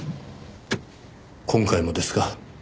今回もですか？